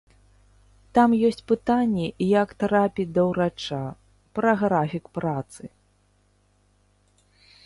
Там ёсць пытанні, як трапіць да ўрача, пра графік працы.